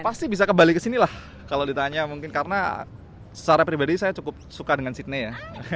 pasti bisa kembali ke sini lah kalau ditanya mungkin karena secara pribadi saya cukup suka dengan sydney ya